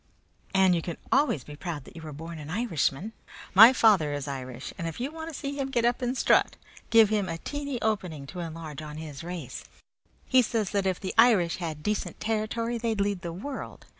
"And you can always be proud that you are born an Irishman. My father is Irish, and if you want to see him get up and strut give him a teeny opening to enlarge on his race. He says that if the Irish had decent territory they'd lead the world.